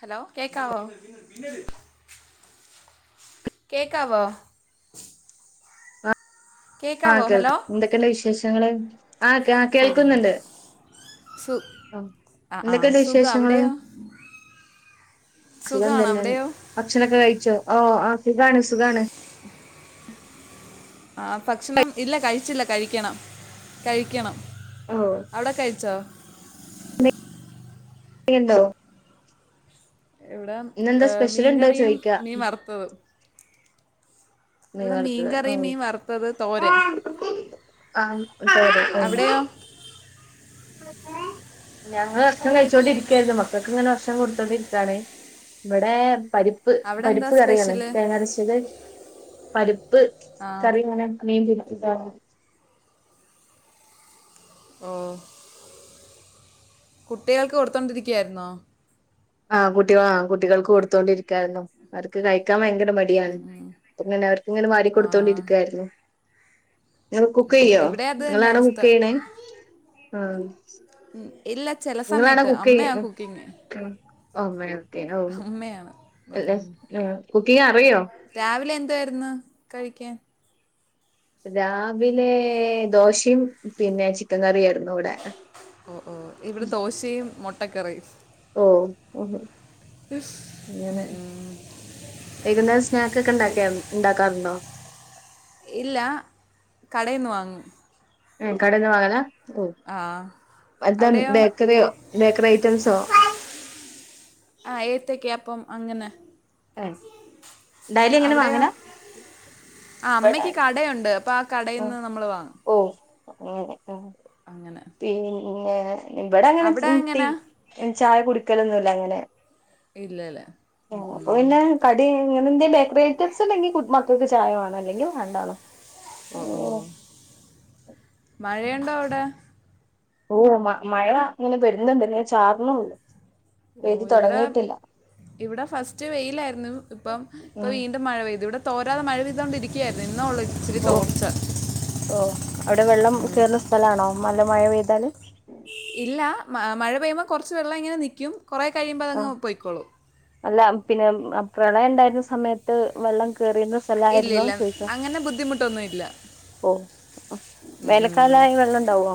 Hello കേക്കാവോ കേക്കാവോ? ആഹ് ആഹ് കേക്കാവോ ഹലോ കേൾക്കാം എന്തൊക്കെണ്ട് വിശേഷങ്ങള് ആഹ് കാ കേക്കുന്നു കേൾക്ക്ന്ന്ണ്ട്. സു ആഹ് ആഹ് എന്തൊക്കെയുണ്ട് സുഖാ. വിശേഷങ്ങള് അവിടെയോ? സുഖാണ് അവിടെയോ? ഭക്ഷണക്കെ കഴിച്ചോ? ഓഹ് ആഹ് സുഖാണ് സുഖാണ്. ആഹ് ഭക്ഷണം ഇല്ല കഴിച്ചില്ല കഴിക്കണം കഴിക്കണം. ഓ അവടെ കഴിച്ചോ? ഇണ്ടോ എന്താ ഇന്നെന്താ ഏഹ് സ്പെഷ്യൽ ഉണ്ടോ മീൻകറിയും ചോദിക്കാ മീൻ വറ്ത്തതും. മീൻ വർത്തത് മീൻകറിയും ഉം മീൻ വറുത്തത് തോരൻ ആഹ് [unintelligible] ഉം അവിടെയോ ഞങ്ങള് ഭക്ഷണം കഴിച്ചോണ്ടിരിക്കായിരുന്നു മക്കക്ക്ങ്ങനെ ഭഷണം കൊടുത്തോണ്ടിരിക്കാണ്. ഇബടെ പരിപ്പ് അവിടെ എന്താ പരിപ്പ് കറിയാണ് സ്പെഷ്യല് തേങ്ങ അരച്ച് [unintelligible] പരിപ്പ് ആ കറിയാണ് മീൻ പൊരിച്ചതാണ്. ഓഹ് കുട്ടികൾക്ക് കൊടുത്തോണ്ടിരിക്കായിരുന്നോ? ആഹ് കുട്ടികൾ ആഹ് കുട്ടികൾക്ക് കൊടുത്തോണ്ടിരിക്കായിരുന്നു അവര്ക്ക് കഴിക്കാൻ ഭയങ്കര മ ട്യാണ് അപ്പങ്ങനെ അവര്ക്ക്ങ്ങനെ വാരി ആ കൊടുത്തോണ്ടിരിക്കായിരുന്നു. ഇങ്ങൾ ഉം, ഉം. കുക്കെയ്യോ ഇവിടെ അത് തന്നെ ഇങ്ങളാണോ അവസ്ഥ കുക്കെയ്യ്ണേ? ആഹ് ഉം ഇല്ല ചെല സമയത്ത് അമ്മയാ കുക്കിങ് അമ്മയാ കുക്ക് ചെയ്യുന്നെ അമ്മയാണ് ഓ ഉം. കുക്ക് ചെയ്യാ അറിയോ രാവിലെ എന്തായിരുന്നു കഴിക്കാൻ രാവിലെ ദോശയും പിന്നെ ചിക്കൻ കറിയായിരുന്നു ഇവിടെ ഓ ഓ ഇവിടെ ദോശയും മുട്ടക്കറീം ഓ ഓ അങ്ങനെ ഉം. വൈകുന്നരം സ്നാക്ക് ഒക്കെ ഉണ്ടാക്കിയ ഉണ്ടാക്കാറുണ്ടോ ഇല്ല കടയിൽന്ന് വാങ്ങും കടന്ന് വാങ്ങല ഓ ആ അല്ല അവിടെയോ ബേക്കറിയോ ബേക്കറി ഐറ്റംസോ ആഹ് ഏത്തക്ക അപ്പം അങ്ങനെ ഏ ഡെയ്ലി അങ്ങനെ അവിടെയോ വാങ്ങല ആ അമ്മയ്ക്ക് കടയുണ്ട് അപ്പൊ ആ കടയിന്ന് നമ്മൾ വാങ്ങും ഓ അങ്ങനെ ആഹ് അങ്ങനെ പിന്നെ ഇവിടെ അങ്ങനെ അവിടെ എങ്ങനെ [unintelligible] ചായ കുടിക്കലൊന്നുമല്ല അങ്ങനെ ഇല്ലല്ലേ ഓ അപ്പൊ പിന്നെ കടി അങ്ങനെ എന്തെ ബേക്കറി ഐറ്റംസ് ഉണ്ടെങ്കി മക്കൾക്ക് ചായ വേണം അല്ലെങ്കി വേണ്ടാണോ ഓ ഓ മഴയുണ്ടോ അവിടെ ഓ മഴ അങ്ങനെ വരുന്നുണ്ട് ന്നെ ചാറുന്നുള്ളു ഓ ഇവിടെ ഇവിടെ ഫസ്റ്റ് വെയിലായിരുന്നു ഇപ്പം ഇപ്പ ഉം വീണ്ടും മഴ പെയ്തു ഇവിടെ തോരാതെ മഴ പെയ്തുകണ്ടിരിക്കുകയായിരുന്നു ഇന്നോ ഉള്ള ഇച്ചിരി ഓ തോർച്ച ഓ അവിടെ വെള്ളം കയറുന്ന സ്ഥലാണോ നല്ല മഴ പെയ്താല് ഇല്ല മഴ പെയ്യുമ്പോ കുറച്ച് വെള്ളം ഇങ്ങനെ നിൽക്കും കുറെ കഴിയുമ്പോ ആ അതങ്ങ് പൊയ്ക്കോളും അല്ല പിന്നെ പ്രളയം ഉണ്ടായിരുന്ന സമയത്ത് വെള്ളം കേറിയിരുന്ന ഇല്ല ഇല്ല സ്ഥലയിന്നോന്ന് ചോയിച്ചത അങ്ങനെ ബുദ്ധിമുട്ടൊന്നും ഇല്ല ഓ വേനക്കാലായ വെള്ളം ഉണ്ടാവോ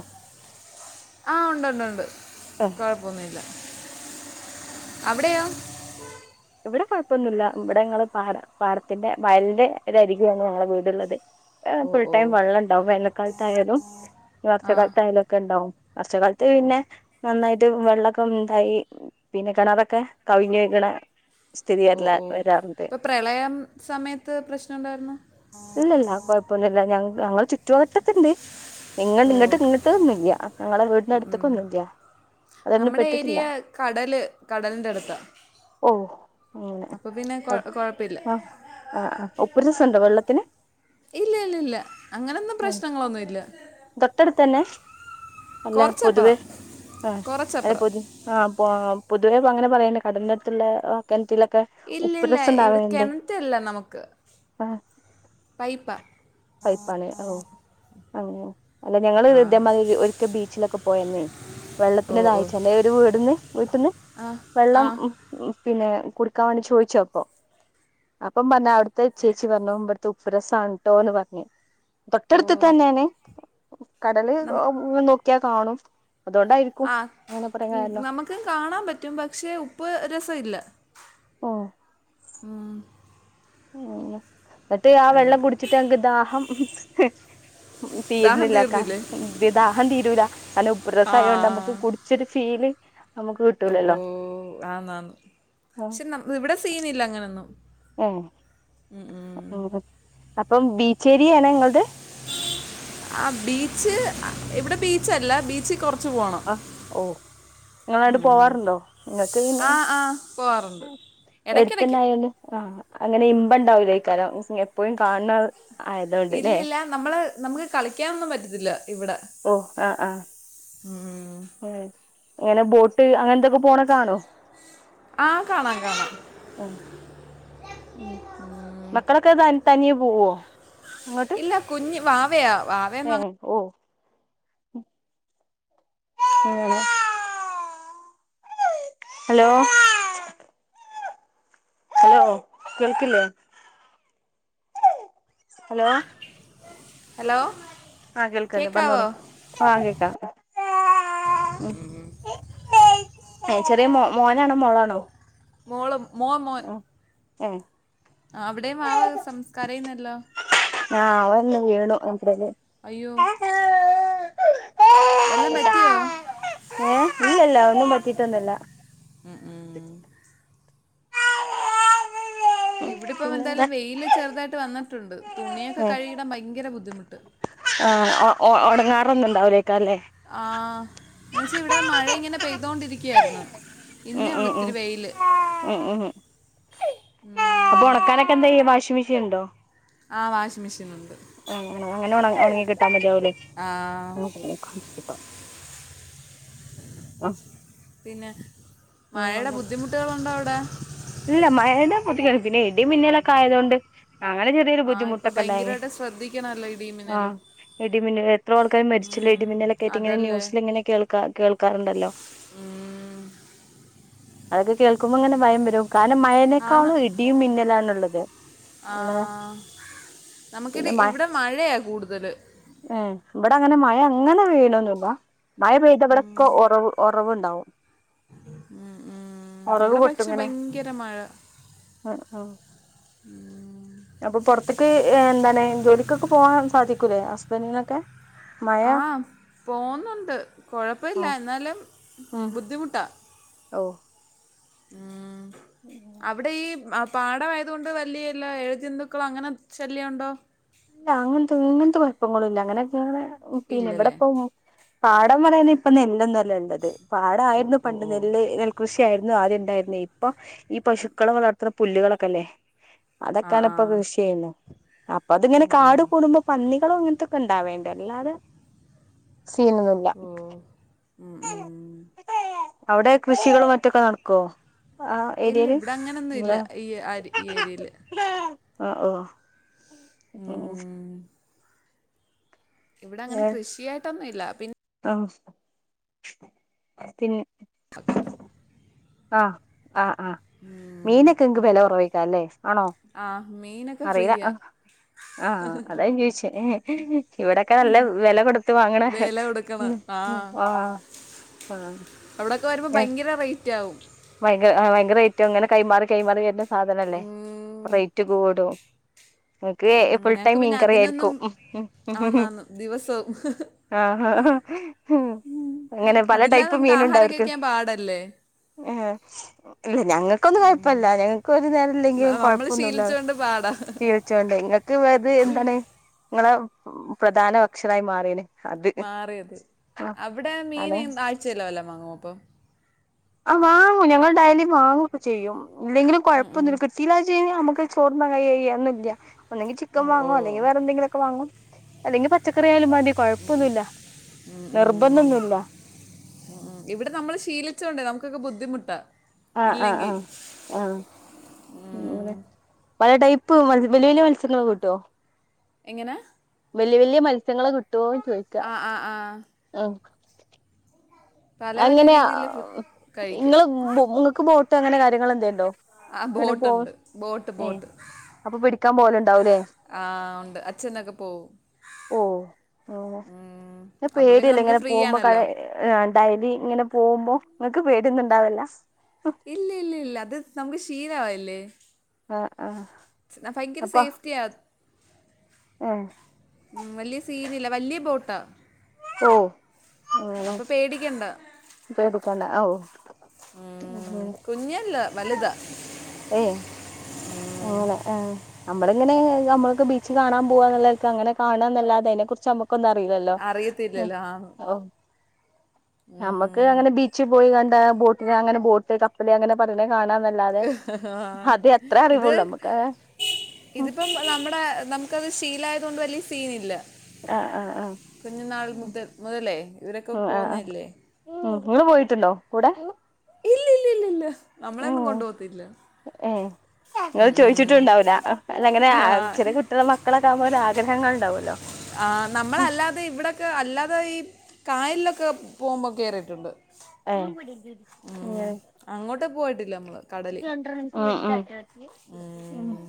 ആഹ് ഉണ്ട് ഉണ്ട് ഉണ്ട് ആ കുഴപ്പൊന്നുമില്ല അവിടെയോ ഇവിടെ കുഴപ്പൊന്നില്ല ഇവിടെ ഞങ്ങള് പാറ പാറത്തിന്റെ വയലിന്റെ ഇതായിരിക്കുകയാണ് ഞങ്ങളെ വീടുള്ളത് ഓ ഫുൾ ഓ ടൈം വെള്ളം ഉണ്ടാവും വേനൽക്കാലത്തായാലും ആ വർഷകാലത്തായാലും ഒക്കെ ഉണ്ടാവും വർഷ കാലത്ത് ഓ പിന്നെ നന്നായിട്ട് വെള്ളക്കം എന്തായി പിന്നെ കിണറൊക്കെ കവിഞ്ഞു ഒഴുകണെ ഓ ഓ ഇപ്പൊ പ്രളയം സമയത്ത് പ്രശ്നംണ്ടായിരുന്ന് ഇപ്പൊന്നല്ല ഞങ്ങ ഞങ്ങൾ ചുറ്റുവട്ടത്തിണ്ട് എങ്ങ ഓ ഇങ്ങോട്ട് നിങ്ങട്ടൊന്നും ഇല്ല ഞങ്ങളെ വീടിന് അടുത്തേക്കൊന്നുംല്ല അത്കൊണ്ട് പെട്ടിട്ടില്ല കടല് കടലിൻ്റെ അടുത്ത ഓഹ് അങ്ങനെ കുഴ- കുഴപ്പമില്ല അപ് ആ ഉപ്പ് രസണ്ടോ വെള്ളത്തിന് ഇല്ല ഇല്ല ഇല്ല അങ്ങനെൊന്നും പ്രശ്നങ്ങളൊന്നും ഇല്ല തൊട്ടടുത്തു തന്നെ അല്ല പൊതുവെ കുറച്ചപ്പുറം ആഹ് അല്ല കുറച്ചപ്പുറം പൊതു ആഹ് അ പൊതുവേ അങ്ങനെ പറയുന്ന കടലിന്റെ അടുത്തുള്ള കെണറ്റിലൊക്കെ ഇല്ല ഇല്ല ഇവിടെ കിണറ്റല്ല നമുക്ക് ആഹ് പൈപ്പ പൈപ്പാണ് ഓ [inaudible] അങ്ങനെ അല്ല ഞങ്ങള് ആ ഇതേമാതിരി ഒരിക്ക ബീച്ചിലൊക്കെ പോയന്നെ ഓ വെള്ളത്തിന് ഓ ദാഹിച്ചെന്നെ ഒരു വീട്ന്ന് വീട്ട്ന്ന് ആ ആ വെള്ളം പിന്നെ കുടിക്കാൻ വേണ്ടി ചോദിച്ചു അപ്പൊ അപ്പം പറഞ്ഞു അവിടുത്തെ ചേച്ചി പറഞ്ഞു ഇവ്ട്ത്തെ ഉപ്പ് രസം ആണ്ട്ടോന്ന് പറഞ്ഞു ഓ തൊട്ടടുത്ത് തന്നെയാണ് കടല് നം- നോ ക്കിയാ കാണും അതുകൊണ്ടായിരി ആഹ് നമുക്ക് കാണാൻ പറ്റും പക്ഷേ ഉപ്പ് രസം ഇല്ല ഓഹ് ഉം ഉം എന്നിട്ട് ആഹ് വെള്ളം അങ്ങനെ കുടിച്ചിട്ട് അനക്ക് ദാഹം ദാഹം തീരുന്നില്ലക്ക തീർന്നില്ലേ ഇ ദാഹം തീരൂല നല്ല ഉപ്പ് ആ രസം ആയതോണ്ട് ആകും ഇച്ചിരി ചീല് ഓ ഓ ആന്നാന്ന് പക്ഷെ ഇവിടെ സീനില്ല അങ്ങനൊന്നും ഏഹ് ഉം, ഉം. അപ്പം ബീച്ച് ഏരിയയാണ് നിങ്ങളത് ആഹ് ബീച്ച് ഇവിടെ ബീച്ചല്ല ബീച്ച് കൊറച്ച് ആഹ് ഓ നിങ്ങള് അങ്ങട്ട് പോവാറുണ്ടോ നിങ്ങക്ക് പിന്നെ ആ ആ പോവാറുണ്ട് എടുത്തന്നെ ഇടയ്ക്കിടയ്ക്ക് ആയാല് ആഹ് അങ്ങനെ ഇമ്പം ഉണ്ടാവൂല ഈക്കാലം എപ്പോഴും കാണണത് ഇല്ലില്ല നമ്മള് നമുക്ക് കളിക്കാനൊന്നും പറ്റത്തില്ല ഇവിടെ ഓ ആ ആ ഉം ഉം അങ്ങനെ ബോട്ട് അങ്ങനെത്തൊക്കെ പോണ കാണോ ആഹ് കാണാം കാണാം ഉം ഉം മക്കളൊക്കെ ത തനിയേ പോവോ അങ്ങ ല്ല കുഞ്ഞ വാവയാ വാ ഏഹ് ഓ എങ്ങനെ ഹലോ ഹലോ കേൾക്കില്ലേ ഹലോ ഹലോ ആഹ് കേൾക്കണ്ട് കേക്കാവോ പറഞ്ഞോളി ആഹ് കേക്കാം ആഹ് ചെറിയ മോനാണോ മോളാണോ മോള് മോൻ മോൻ ഉം ആഹ് അവിടെയും വാവ സംസ് കരയുന്നല്ലോ ആഹ് അവൻ ഒന്ന് വീണു അയ്യോ വല്ലോം പറ്റിയോ ഏ ഇല്ലല്ല ഒന്നും പറ്റിട്ടൊന്നുല്ല ഉം ഉം ഇവിടിപ്പം പിന്നെന്താ എന്തായാലും വെയില് ചെറുതായിട്ട് വന്നിട്ടുണ്ട് തുണിയൊക്കെ ഉം കഴുകിടാൻ ഭയങ്കര ബുദ്ധിമുട്ട് ആഹ് ഒണങ്ങാറ് ഒന്നുണ്ടാവലേക്കാലേ അല്ലേ ആഹ് എന്നുവച്ചാ ഇവിടെ മഴ ഇങ്ങനെ പെയ്തോണ്ടിരിക്കുയായിരുന്നു ഉം ഇന്നേ ഉം ഉള്ളു ഉം ഇത്തിരി വെയില് ഉം ഉം അപ്പൊ ഉണക്കാനൊക്കെന്താ ചെയ്ശാ വാഷിംഗ്‌ മെഷീൻ ഉണ്ടോ ആഹ് വാഷിംഗ്‌ മെഷീൻ ഉണ്ട് ഉം ഉം അങ്ങനെ ഉണങ്ങി കിട്ടാ മതിയാകുലെ ആ പിന്നെ മഴയുടെ ബുദ്ധിമുട്ടുകളുണ്ടോ അവിടെ ഇല്ല മഴേടെ ബു പിന്നെ ഇടിം മിന്നലൊക്കെ ആയതുകൊണ്ട് അങ്ങനെ ചെറിയൊരു ആ ഇപ്പം ബുദ്ധിമുട്ടൊക്കെ ഉണ്ടായിനു ഭയങ്കരമായിട്ട് ശ്രദ്ധിക്കണമല്ലോ ഇടിയും ആഹ് മിന്നലും ഇടിമിന്ന ഇത്രയൊ ആൾക്കാര് മരിച്ചില്ലേ ഇടി ഉം, മിന്നലൊക്കെ ആയിട്ട് ഇങ്ങനെ അതല്ലേ ന്യൂസിലൊക്കെയിങ്ങനെ കേൾക്കാ കേൾക്കാറുണ്ടല്ലോ ഉം അതൊക്കെ കേൾക്കുമ്പോ ഇങ്ങനെ ഭയം വരും കാരണം മഴനേക്കാളും ഇടിയും മിന്നലാണുള്ളത് അല്ല ആഹ് നമുക്കിതു പിന്നെ മഴ ഇവിടെ മഴയാ കൂടുതല് ഇവിടെ അങ്ങനെ മഴ അങ്ങനെ വെയ്യണന്നല്ല മഴ പെയ്ത ഇവിടെക്കെ ഉറവ് ഒറവുണ്ടാവും ഉ ഉം ഉറവ് ഇവിടെ പൊട്ടും പക്ഷെ ഇങ്ങനെ ഭയങ്കര മഴ ഉം ഉം ഉം അപ്പൊ പുറത്തേക്ക് എന്താണ് ജോലിക്കൊക്കെ പോകാൻ സാധിക്കൂല്ലേ ഹസ്ബൻഡിനൊക്കെ മഴ ആഹ് പോവുന്നുണ്ട് കുഴപ്പമില്ല ആഹ് എന്നാലും ഉം ബുദ്ധിമുട്ടാ ഓഹ് ഉം അവിടെ ഈ പാടമായതുകൊണ്ട് വലിയ വല്ല എഴ ജന്തുക്കളും അങ്ങനെ ശല്യമുണ്ടോ ഇല്ല അങ്ങനത്തെ ഇങ്ങനത്തെ കുഴപ്പങ്ങളുംല്ല അങ്ങനെക്കെങ്ങെ പിന്നെ ഇല്ലല്ലേ എവിടെപ്പ പാടം പറയുന്ന ഇപ്പ നെല്ല്ലൊന്നുംുമല്ല ഉള്ളത് ഓ പാടമായിരുന്നു ഓ പണ്ട് ഓ നെല്ല് കൃഷിയായിരുന്നു ആദ്യം ഉണ്ടായിരുന്നത് ഇപ്പൊ ഈ പശുക്കള വളർത്തുന്ന പുല്ലുകളൊക്കെ അല്ലേ ആ അതൊക്കെയാണ് ആ ഇപ്പൊ കൃഷി ചെയ്യുന്നു അപ്പ ഓ അതിങ്ങനെ ഓ കാട് കൂടുമ്പോൾ പന്നികളും അങ്ങനത്തെക്കെ ഉണ്ടാവേണ്ട് അല്ലാതെ സീനന്നല്ല ഓ ഉം ഉം അവിടെ കൃഷികളോ മറ്റൊക്കെ നടക്കുവോ ആ ഇല്ല ഏരിയയില് ഇവിടെ അങ്ങനൊന്നും ഇല്ല ഈ ഏരിയയില് ആഹ ഓ ഉം. ഇവിടെ അങ്ങനെ കൃഷിയായിട്ടൊന്നും ഇല്ല പിന്നെ ആ പിന്നെ ഒക്കെ ആഹ് ആഹ് ആഹ് ഉം മീനൊക്കെ ങ്ങ ക്ക് വിലക്കുറവേക്കാരം ല്ലേ ആണോ ആഹ മി നൊക്കെ ഫ്രീയ ആഹ അതാ ചോദിച്ചേ ഇവിടെക്കെ നല്ല വില കൊടുത്ത് വാങ്ങണ വില ആഹ് ആഹ് അവിടെക്കെ വരുമ്പോ ഏഹ് ഭയങ്കര റേറ്റ് ആകും ഭയങ്കര ഭയങ്കര റേറ്റോവും ങ്ങനെ കൈമാറി കൈമാറി സാധനല്ലേ അപ്പൊ ഉം, റേറ്റ് കൂടും നിങ്ങക്ക് ഉം, ഫുൾ ടൈം ഞങ്ങക്ക് പിന്നെ അതിനൊന്നും മീൻകറിയായിരിക്കും ആന്നാന്ന് ദിവസവും ആഹ് അങ്ങനെ പല അതില്ലാതെ ടൈപ്പ് നമുക്ക് മീന് ആഹാരം ഉണ്ടാക്കും കഴിക്കാൻ പാടല്ലേ ആഹ് ഇല്ല ഞങ്ങൾക്കൊന്നും കുഴപ്പല്ല ഞങ്ങ ഒരു നേരം ഇല്ലെങ്കിലും നമ്മൾ കൊഴപ്പൊന്നുല്ല ശീലിച്ചുകൊണ്ട് പാടാ ചീവച്ചോണ്ട് നിങ്ങൾക്ക്ത് എന്താണ് നിങ്ങളെ പ്രധാന ഭക്ഷണായി മാറിയില്ലേ മാറിയത് അവിടെ മീൻ ആണ് ആഴ്ചയല്ലോ വല്ല വാങ്ങോ അപ്പൊ ആഹ് വാങ്ങും ഞങ്ങൾ ഡയലി വാങ്ങൊക്കെ ചെയ്യും ഇല്ലെങ്കിലും ഉം, ഉം. കുഴപ്പമൊന്നുല്ല കിട്ടില്ല ന്ന് വെച്ച് കഴിഞ്ഞാൽ നമുക്ക് ചോർന്ന കൈയായിയൊന്നുമില്ല ഒന്നെങ്കിൽ ഓ ചിക്കൻ ഓ വാങ്ങും അല്ലെങ്കിൽ വേറെ എന്തെങ്കിലൊക്കെ വാങ്ങും. അല്ലെങ്കിൽ പച്ചക്കറി യാലും മതി. കുഴപ്പൊന്നുല്ല നിർബന്ധൊന്നുമില്ല. ഉ ഇവിടെ നമ്മള് ശീലിച്ചോണ്ടേ നമുക്കൊക്കെ ബുദ്ധിമുട്ടാ. ആഹ് ആഹ് ആഹ ഇല്ലെങ്കിൽ ആഹ ങ്ങനെ പല ടൈപ്പ് വലിയ വലിയ മത്സ്യങ്ങക്കെ കിട്ടുവോ? എങ്ങനെ വലി യ വല്യ മത്സ്യങ്ങള് കിട്ടുവോന്ന് ചോദിക്ക ആ ആ ആ ഉ പല പല അങ്ങനെ രീതിയിലെ ഫുഡ് കഴിക്കാം ഇങ്ങള് നിങ്ങൾക്ക് ബോട്ട് അങ്ങനെ കാര്യങ്ങൾ എന്തകിലും ണ്ടോ? ആ ബോട്ട് ഉണ്ട് ബോട്ട് ബോട്ട്. അപ്പൊ പിടിക്കാൻ പോവലുണ്ടാവും ലേ? ആ ഉണ്ട് അച്ഛനൊക്കെ പോവും. ഓഹ് അങ്ങനെ ഉം അപ്പൊ പിന്നെ നമുക്ക് ഫ്രീ ആണല്ലോ? ആ ഡയലി ഇങ്ങനെ പോകുമ്പോ നിങ്ങക്ക് പേടിയൊന്നും ഇണ്ടാവുല്ല ഇല്ല ഇല്ല ഇല്ല അത് നമുക്ക് ക്ഷീല മല്ലേ? ആഹ് ആഹ് ഭയങ്കര അപ്പൊ സേഫ്റ്റിയാ. ഏഹ് ഉ വലിയ സീനല്ല വലിയ ബോട്ടാ. ഓ അതാണ് ക്ക്യ ണ്ട പേടികെണ്ട ഓ ഉം കുഞ്ഞല്ല വലുതാ. ഏ ആ ന്നട്ടാ. നമ്മള ഇങ്ങനെ നമ്മളൊക്കെ ബീച്ച് കാണാൻ പോവാനുള്ളല്ലതെ അങ്ങനെ കാണുക എന്നല്ലാതെ അതിനെ കുറിച്ച് നമ്മുക്ക് ന്നും അറിയില്ലല്ലോ അറിയത്തില്ലല്ലോ ആ ഓ നമ്മക്ക് ഉം. അങ്ങനെ ബീച്ച് ബിച്ചി പോയിങ്ങാണ്ട് ബോട്ടില് അങ്ങനെ ബോട്ട് കപ്പല് അങ്ങനെ പറയ്ണെ കാണാ എന്നല്ലാതെ. അത് എ ഇത് അറിവൊള്ളും നമുക്ക് ഉ ഇതിപ്പം നമ്മുടെ നമുക്കത് ശീല ആയതൊണ്ട് വലിയ സീൻ ഇല്ല. ആഹ് ആഹ് ആഹ് കുഞ്ഞി നാൾ മുതൽ മുതലേ ഇവരൊക്കെ പോക്കുന്നല്ലേ. ഉം നിങ്ങൾ പോയിട്ടുണ്ടോ കൂടെ? ഏ ഇല്ല ഇല്ല ഇല്ല നമ്മളൊന്നും കൊണ്ട് പോവത്തില്ല. ഏ നിങ്ങൾ ചോദിച്ചിട്ടും ഉണ്ടാവുല്ല. അല്ല ഇങ്ങനെ ആ, ചെറിയ കുട്ടികളും മക്കളൊക്കെ ആകുമ്പോൾ ആഗ്രഹങ്ങൾ ഉണ്ടാവല്ലോ. നമ്മള് അല്ലാതെ ഇവിടെയൊക്കെ അല്ലാതെ ഈ കായലിലൊക്കെ പോകുമ്പോൾ കയറിയിട്ടുണ്ട്. ഏ ഉം അങ്ങോട്ട് പോയിട്ടില്ല. നമ്മള് ഉം ആ ആ ഉം.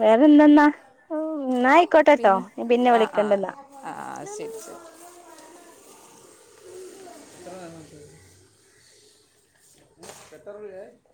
വേറെ എന്തെന്നാ. ഉം ന്നാ ആയിക്കോട്ടെട്ടോ ഞ പിന്നെ വിളിക്കണ്ട് ന്നാ. ആഹ ശെരി ശെരി എത്ര എണ്ണം വേണം അനക് എത്ര രൂപ.